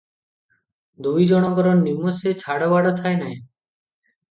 ଦୁଇଜଣଙ୍କର ନିମଷେ ଛାଡ଼ବାଡ଼ ଥାଏନାହିଁ ।